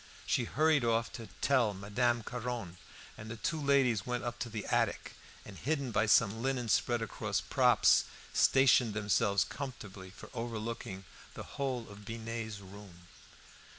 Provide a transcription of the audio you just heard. She hurried off to tell Madame Caron, and the two ladies went up to the attic, and, hidden by some linen spread across props, stationed themselves comfortably for overlooking the whole of Binet's room.